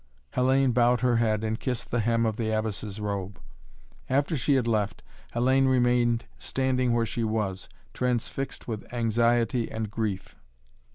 Hellayne bowed her head and kissed the hem of the Abbess' robe. After she had left, Hellayne remained standing where she was, transfixed with anxiety and grief.